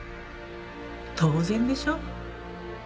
当然でしょ？